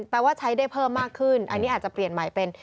ว่าใช้ได้เพิ่มมากขึ้นอันนี้อาจจะเปลี่ยนใหม่เป็น